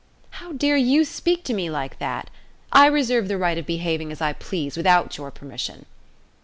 "How dare you speak to me like that! I reserve the right of behaving as I please without your permission."